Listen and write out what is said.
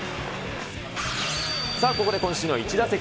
さあ、ここで今週のイチ打席。